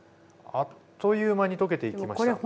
あっという間に溶けていきました。